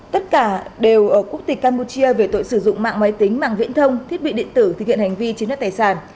tất cả đều ở quốc tịch campuchia về tội sử dụng mạng máy tính mạng viện thông thiết bị điện tử thực hiện hành vi chứng nhất tài sản